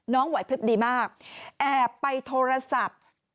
น้องหวัยเพิ่มดีมากแอบไปโทรศัพท์